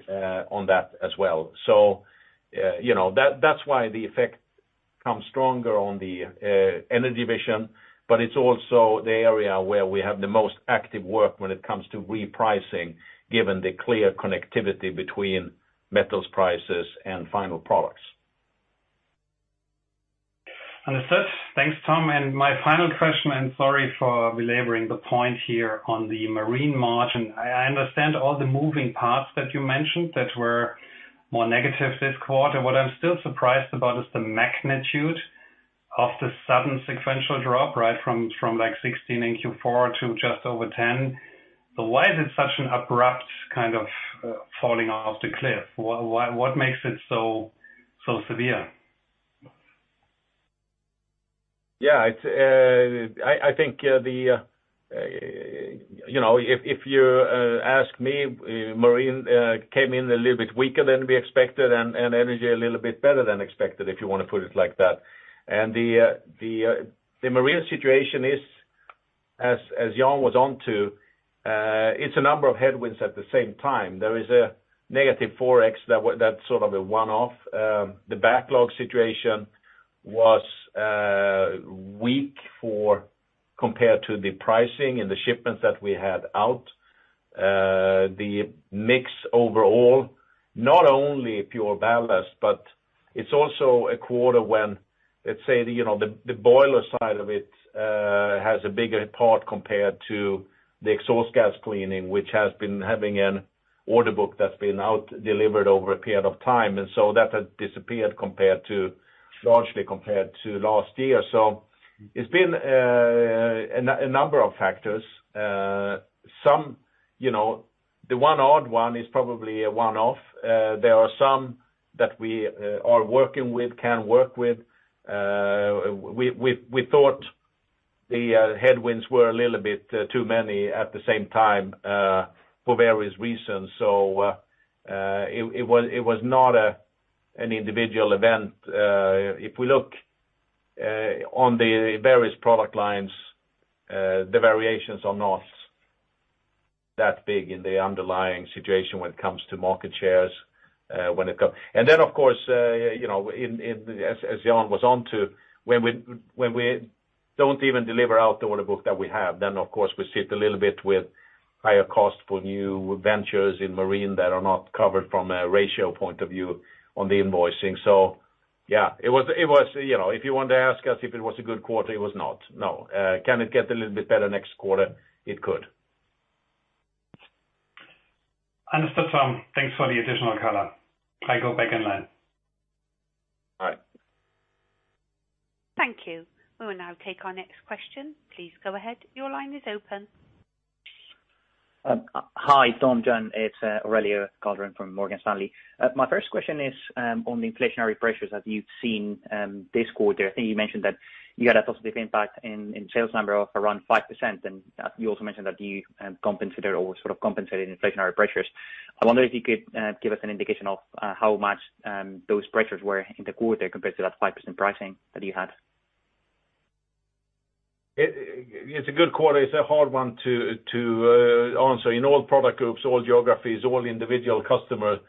on that as well. You know, that's why the effect comes stronger on the Energy Division, but it's also the area where we have the most active work when it comes to repricing, given the clear connectivity between metals prices and final products. Understood. Thanks, Tom. My final question, sorry for belaboring the point here on the marine margin. I understand all the moving parts that you mentioned that were more negative this quarter. What I'm still surprised about is the magnitude of the sudden sequential drop, right? From like 16% in Q4 to just over 10%. Why is it such an abrupt kind of falling off the cliff? What makes it so severe? Yeah, it's I think, you know, if you ask me, Marine came in a little bit weaker than we expected and Energy a little bit better than expected, if you wanna put it like that. The Marine situation is, as Jan was onto, it's a number of headwinds at the same time. There is a negative FX that's sort of a one-off. The backlog situation was weak compared to the pricing and the shipments that we had out. The mix overall, not only PureBallast, but it's also a quarter when, let's say, you know, the boiler side of it has a bigger part compared to the exhaust gas cleaning, which has been having an order book that's been out delivered over a period of time. That has disappeared compared to, largely compared to last year. It's been a number of factors. Some, you know, the one odd one is probably a one-off. There are some that we are working with, can work with. We thought the headwinds were a little bit too many at the same time for various reasons. It was not an individual event. If we look on the various product lines, the variations are not that big in the underlying situation when it comes to market shares. Then of course, you know, in as Jan was onto, when we don't even deliver out the order book that we have, then of course we sit a little bit with higher cost for new ventures in Marine that are not covered from a ratio point of view on the invoicing. So yeah, it was, you know, if you want to ask us if it was a good quarter, it was not, no. Can it get a little bit better next quarter? It could. Understood, Tom. Thanks for the additional color. I go back in line. All right. Thank you. We will now take our next question. Please go ahead. Your line is open. Hi, Tom, Jan, it's Aurelio Calderon from Morgan Stanley. My first question is on the inflationary pressures that you've seen this quarter. I think you mentioned that you had a positive impact in sales number of around 5%. You also mentioned that you compensated or sort of compensated inflationary pressures. I wonder if you could give us an indication of how much those pressures were in the quarter compared to that 5% pricing that you had. It's a good quarter. It's a hard one to answer. In all product groups, all geographies, all individual customer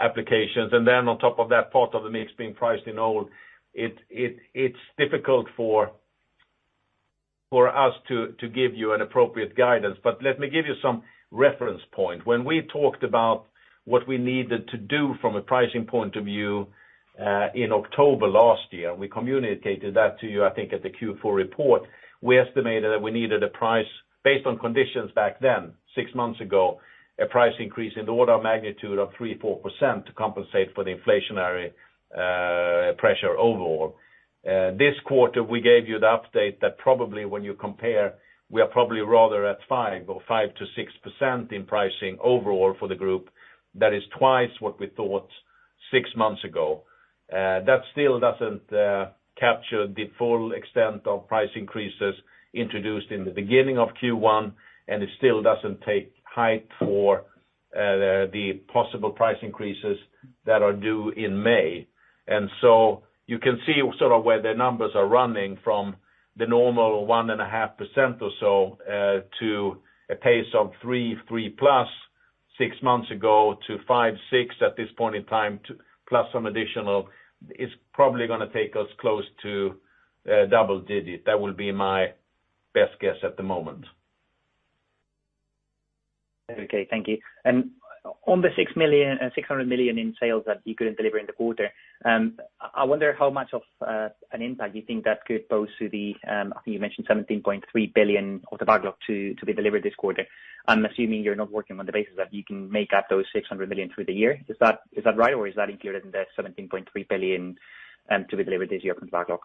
applications, and then on top of that, part of the mix being priced in oil, it's difficult for us to give you an appropriate guidance. Let me give you some reference point. When we talked about what we needed to do from a pricing point of view in October last year, we communicated that to you, I think at the Q4 report. We estimated that we needed a price based on conditions back then, six months ago, a price increase in the order of magnitude of 3%-4% to compensate for the inflationary pressure overall. This quarter, we gave you the update that probably when you compare, we are probably rather at 5% or 5%-6% in pricing overall for the group. That is twice what we thought six months ago. That still doesn't capture the full extent of price increases introduced in the beginning of Q1, and it still doesn't account for the possible price increases that are due in May. You can see sort of where the numbers are running from the normal 1.5% or so to a pace of 3%, 3%+ six months ago to 5%-6% at this point in time, plus some additional. It's probably gonna take us close to double digit. That will be my best guess at the moment. Okay, thank you. On the 600 million in sales that you couldn't deliver in the quarter, I wonder how much of an impact you think that could pose to the, I think you mentioned 17.3 billion of the backlog to be delivered this quarter. I'm assuming you're not working on the basis that you can make up those 600 million through the year. Is that right? Or is that included in the 17.3 billion to be delivered as your open backlog?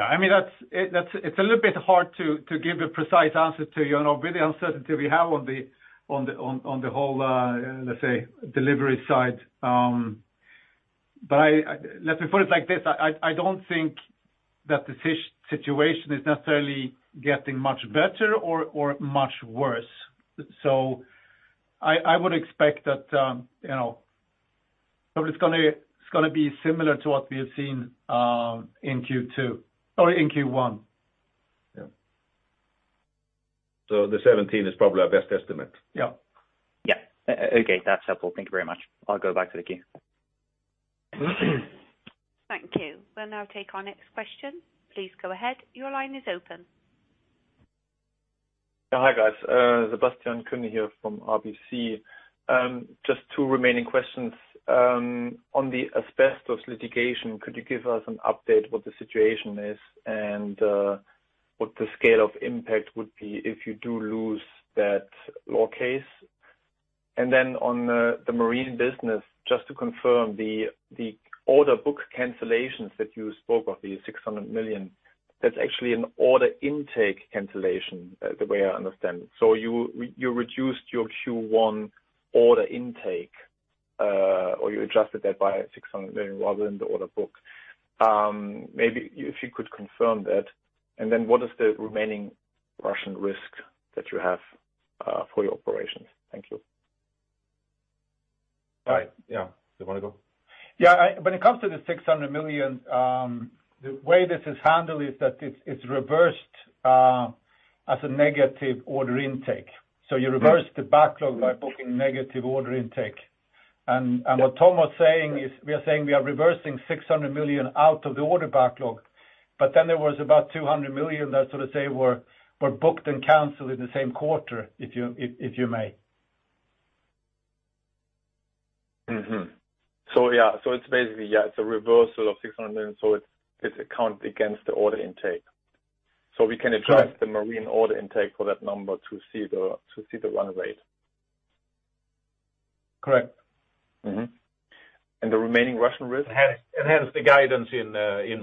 Yeah, I mean, that's it's a little bit hard to give a precise answer to you overall with the uncertainty we have on the whole, let's say, delivery side. Let me put it like this. I don't think that the situation is necessarily getting much better or much worse. I would expect that, you know. It's gonna be similar to what we have seen in Q2 or in Q1. Yeah. The 17 is probably our best estimate. Yeah. Yeah. Okay, that's helpful. Thank you very much. I'll go back to the queue. Thank you. We'll now take our next question. Please go ahead. Your line is open. Yeah. Hi, guys. Sebastian Kuenne here from RBC. Just two remaining questions. On the asbestos litigation, could you give us an update what the situation is and what the scale of impact would be if you do lose that law case? Then on the marine business, just to confirm the order book cancellations that you spoke of, the 600 million, that's actually an order intake cancellation, the way I understand. You reduced your Q1 order intake or you adjusted that by 600 million rather than the order book. Maybe if you could confirm that, and then what is the remaining Russian risk that you have for your operations? Thank you. All right. Yeah. Do you wanna go? When it comes to the 600 million, the way this is handled is that it's reversed as a negative order intake. You reverse the backlog by booking negative order intake. What Tom was saying is we are saying we are reversing 600 million out of the order backlog, but then there was about 200 million that sort of say were booked and canceled in the same quarter, if you may. Mm-hmm. Yeah. It's basically, yeah, it's a reversal of 600 million. It's accounted against the order intake. We can adjust the Marine order intake for that number to see the run rate. Correct. The remaining Russian risk? It has the guidance in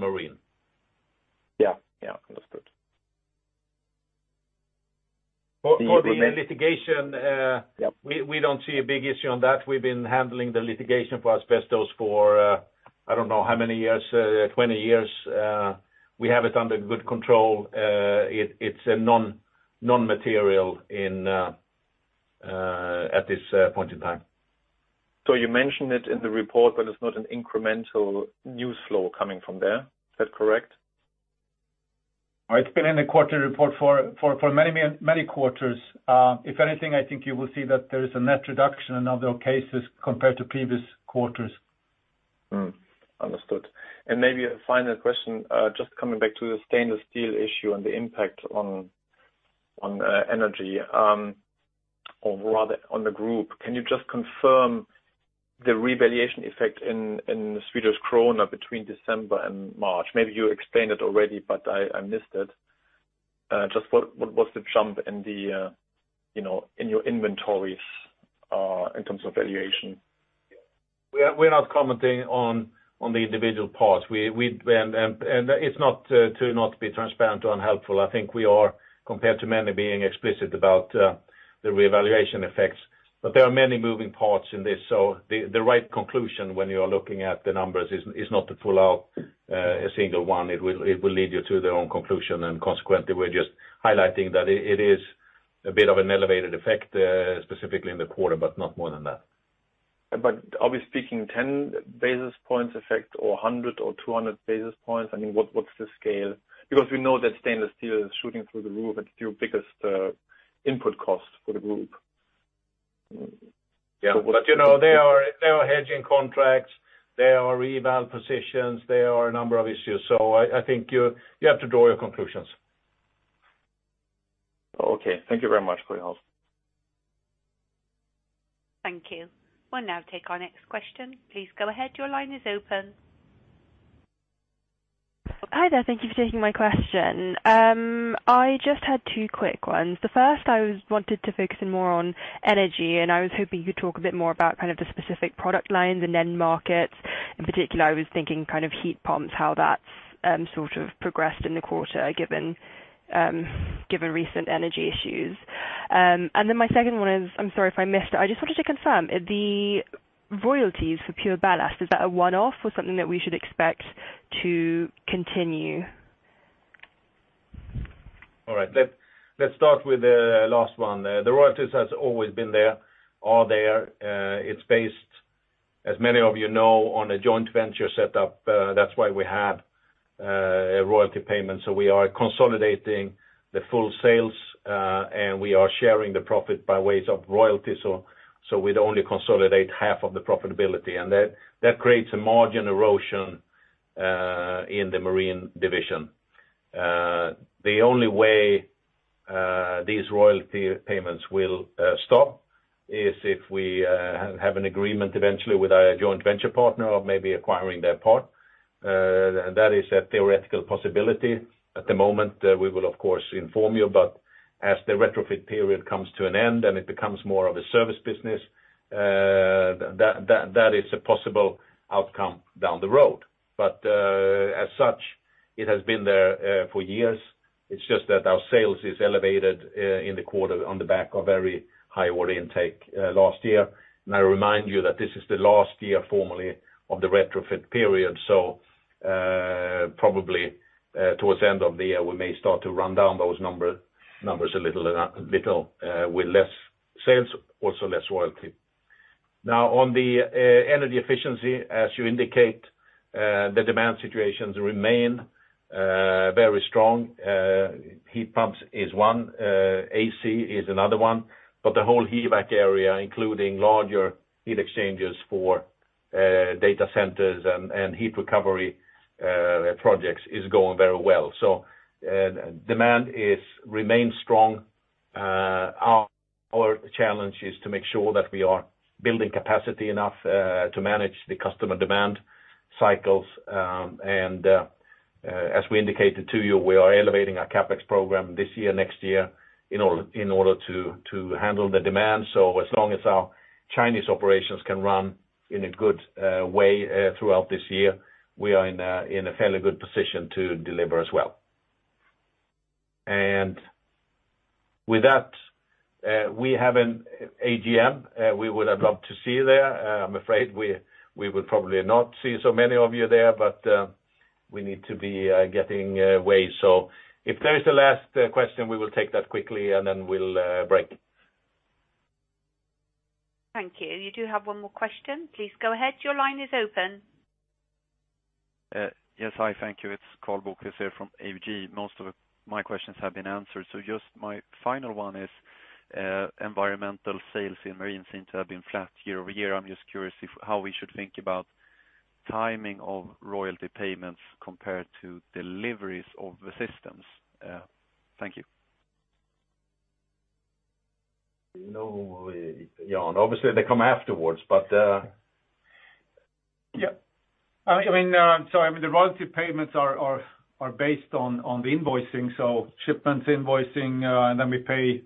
Marine. Yeah. Yeah. Understood. For the litigation. Yep. We don't see a big issue on that. We've been handling the litigation for asbestos for I don't know how many years, 20 years. We have it under good control. It's a non-material at this point in time. You mention it in the report, but it's not an incremental news flow coming from there. Is that correct? It's been in the quarterly report for many, many quarters. If anything, I think you will see that there is a net reduction in other cases compared to previous quarters. Understood. Maybe a final question, just coming back to the stainless steel issue and the impact on energy, or rather on the group. Can you just confirm the revaluation effect in the Swedish krona between December and March? Maybe you explained it already, but I missed it. Just what was the jump, you know, in your inventories, in terms of valuation? We're not commenting on the individual parts. It's not to not be transparent or unhelpful. I think we are, compared to many, being explicit about the revaluation effects. There are many moving parts in this, so the right conclusion when you are looking at the numbers is not to pull out a single one. It will lead you to the wrong conclusion, and consequently, we're just highlighting that it is a bit of an elevated effect, specifically in the quarter, but not more than that. Are we speaking 10 basis points effect or 100 or 200 basis points? I mean, what's the scale? Because we know that stainless steel is shooting through the roof. It's your biggest input cost for the group. Yeah. You know, there are hedging contracts, there are reval positions, there are a number of issues. I think you have to draw your conclusions. Okay. Thank you very much. [inaudible] Thank you. We'll now take our next question. Please go ahead. Your line is open. Hi there. Thank you for taking my question. I just had two quick ones. The first, wanted to focus in more on energy, and I was hoping you could talk a bit more about kind of the specific product lines and end markets. In particular, I was thinking kind of heat pumps, how that's sort of progressed in the quarter, given recent energy issues. And then my second one is, I'm sorry if I missed it, I just wanted to confirm, the royalties for PureBallast, is that a one-off or something that we should expect to continue? All right. Let's start with the last one. The royalties has always been there. It's based, as many of you know, on a joint venture setup, that's why we have royalty payments. We are consolidating the full sales, and we are sharing the profit by ways of royalties, so we'd only consolidate half of the profitability. That creates a margin erosion in the Marine Division. The only way these royalty payments will stop is if we have an agreement eventually with our joint venture partner of maybe acquiring their part. That is a theoretical possibility at the moment. We will of course inform you, but as the retrofit period comes to an end and it becomes more of a service business, that is a possible outcome down the road. As such, it has been there for years. It's just that our sales is elevated in the quarter on the back of very high order intake last year. I remind you that this is the last year formally of the retrofit period. Probably towards the end of the year, we may start to run down those numbers a little with less sales, also less royalty. Now, on the energy efficiency, as you indicate, the demand situations remain very strong. Heat pumps is one, AC is another one, but the whole HVAC area, including larger heat exchangers for data centers and heat recovery projects, is going very well. Demand remains strong. Our challenge is to make sure that we are building capacity enough to manage the customer demand cycles. As we indicated to you, we are elevating our CapEx program this year, next year in order to handle the demand. As long as our Chinese operations can run in a good way throughout this year, we are in a fairly good position to deliver as well. With that, we have an AGM. We would have loved to see you there. I'm afraid we will probably not see so many of you there, but we need to be getting away. If there is a last question, we will take that quickly, and then we'll break. Thank you. You do have one more question. Please go ahead. Your line is open. Yes. Hi. Thank you. It's Karl Bokvist here from ABG. Most of my questions have been answered. Just my final one is, environmental sales in marine seem to have been flat year-over-year. I'm just curious how we should think about timing of royalty payments compared to deliveries of the systems. Thank you. You know, Jan, obviously they come afterwards, but. Yeah. I mean, I'm sorry. I mean, the royalty payments are based on the invoicing, so shipments invoicing, and then we pay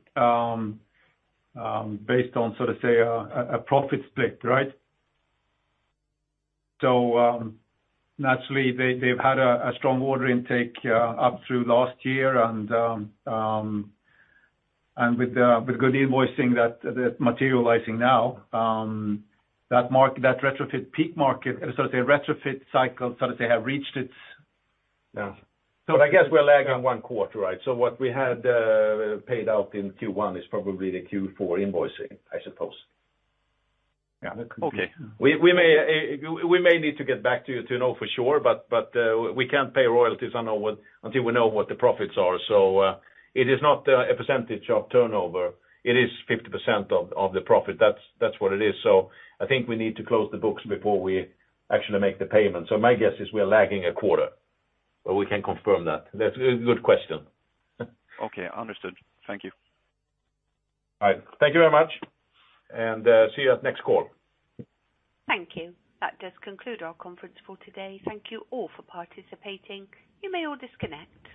based on, so to say, a profit split, right? So, naturally they've had a strong order intake up through last year and with good invoicing that materializing now, that retrofit peak market, so to say, retrofit cycle, so to say, have reached its. Yeah. So I guess we're lagging one quarter, right? So what we had paid out in Q1 is probably the Q4 invoicing, I suppose. Yeah. Okay. We may need to get back to you to know for sure, but we can't pay royalties on what until we know what the profits are. It is not a percentage of turnover. It is 50% of the profit. That's what it is. I think we need to close the books before we actually make the payment. My guess is we're lagging a quarter, but we can confirm that. That's a good question. Okay, understood. Thank you. All right. Thank you very much, and see you at next call. Thank you. That does conclude our conference for today. Thank you all for participating. You may all disconnect.